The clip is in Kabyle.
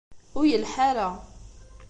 Ur yelḥa ara.